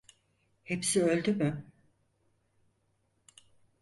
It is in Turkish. Hepsi öldü mü?